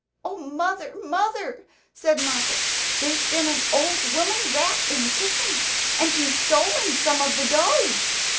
"Oh! Mother, Mother," said Moppet, "there's been an old woman rat in the kitchen, and she's stolen some of the dough!"